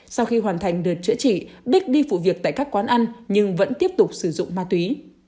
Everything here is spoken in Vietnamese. sau khi hoàn thành đợt chữa trị bích đi phụ việc tại các quán ăn nhưng vẫn tiếp tục sử dụng ma túy